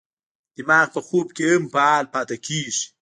دماغ په خوب کې هم فعال پاتې کېږي.